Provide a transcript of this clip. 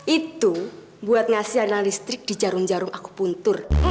itu buat ngasih analistrik di jarum jarum aku puntur